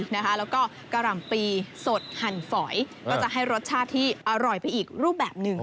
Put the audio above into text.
แล้วก็กะหล่ำปีสดหั่นฝอยก็จะให้รสชาติที่อร่อยไปอีกรูปแบบหนึ่ง